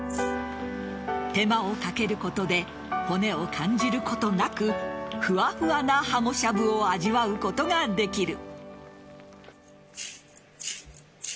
手間をかけることで骨を感じることなくふわふわなハモしゃぶを味わうことができる。